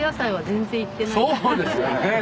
そうですよね。